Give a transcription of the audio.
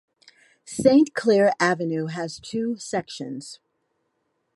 Saint Clair Avenue has two sections.